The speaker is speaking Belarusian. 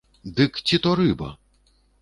Дык ці то рыба?